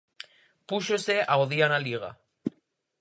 Púxose ao día na Liga.